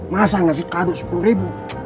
masa gak sih kado sepuluh ribu